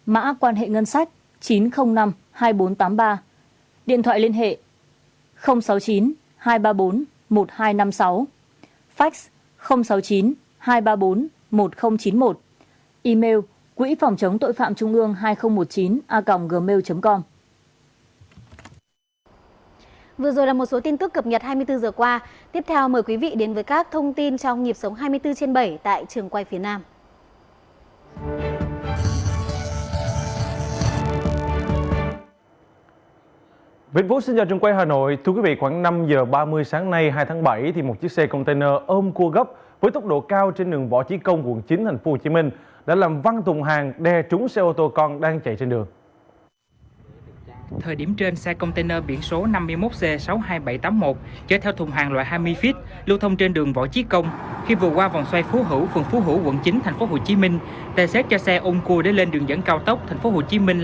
mã quan hệ ngân sách chín trăm linh năm hai nghìn bốn trăm tám mươi ba điện thoại liên hệ sáu mươi chín hai trăm ba mươi bốn một nghìn hai trăm năm mươi sáu fax sáu mươi chín hai trăm ba mươi bốn một nghìn chín mươi một email quỹphòngchốngtộiphạmtrungương hai nghìn một mươi chín a gmail com